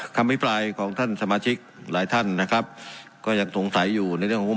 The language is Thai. วิปรายของท่านสมาชิกหลายท่านนะครับก็ยังสงสัยอยู่ในเรื่องของ